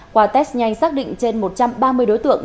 qua test nhanh xác định trên một trăm ba mươi đối tượng